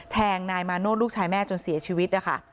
แทงนายมาโนธลูกชายแม่จนเสียชีวิตนะคะ